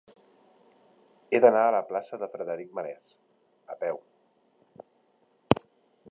He d'anar a la plaça de Frederic Marès a peu.